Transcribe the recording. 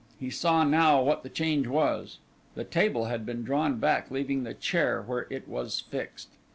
He saw now what the change was. The table had been drawn back leaving the chair where it was fixed.